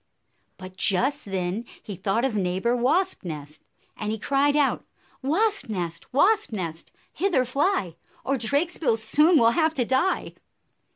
" 98 But just then he thought of Neighbor Wasp nest, and he cried out, "Wasp nest, Wasp nest, hither fly, Or Drakesbill soon will have to die!"